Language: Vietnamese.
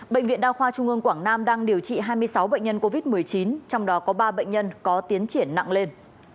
bệnh viện đa khoa trung ương quảng nam đang điều trị hai mươi sáu bệnh nhân covid một mươi chín trong đó có ba bệnh nhân có tiến triển nặng lên